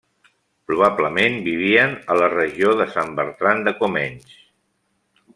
Probablement vivien a la regió de Sant Bertran de Comenge.